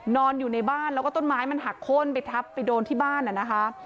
นอนอยู่ในบ้านแล้วก็ต้นไม้มันหักโค้นไปทับไปโดนที่บ้านนะคะ